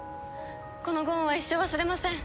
このご恩は一生忘れません。